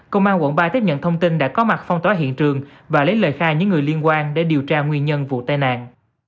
công an quận ba tiếp nhận thông tin đã có mặt phong tỏa hiện trường và lấy lời khai những người liên quan để điều tra nguyên nhân vụ tai nạn